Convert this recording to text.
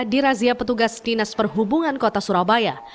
dirazia petugas dinas perhubungan kota surabaya